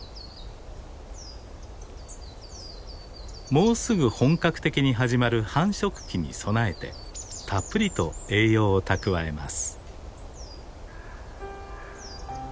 もうすぐ本格的に始まる繁殖期に備えてたっぷりと栄養を蓄えます。